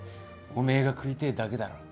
おめえが食いてえだけだろ。